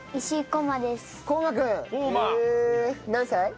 何歳？